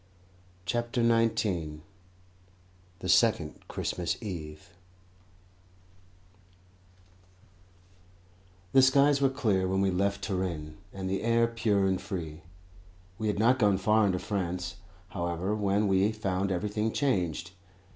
CHAPTER XIX THE SECOND CHRISTMAS EVE The skies were clear when we left Turin, and the air pure and free. We had not got far into France, however, when we found everything changed.